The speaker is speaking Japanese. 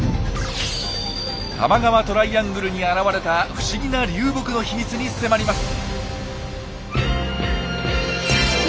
多摩川トライアングルに現れた不思議な流木の秘密に迫ります！